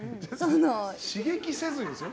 刺激せずにですよ。